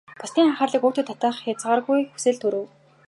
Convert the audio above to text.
Бусдын анхаарлыг өөртөө татах хязгааргүй хүсэл төрөв.